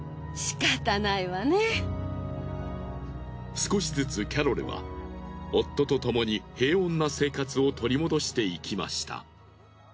少しずつキャロルは夫とともに平穏な生活を取り戻していきました。